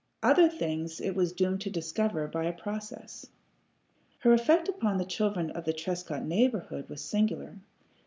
Other things it was doomed to discover by a process. Her effect upon the children of the Trescott neighborhood was singular.